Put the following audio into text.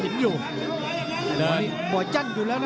ไม่สูงแค่แกงขวาสาร